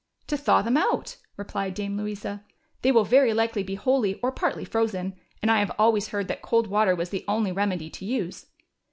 " To thaw them out," replied Dame Louisa ;" they will very likely be wholly or partly frozen, and I have always heard that cold water was the only remedy to use."